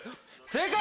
正解！